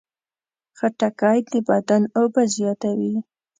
خټکی د بدن اوبه زیاتوي.